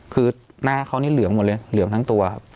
คือหน้าเขานี่เหลืองหมดเลยเหลืองทั้งตัวครับ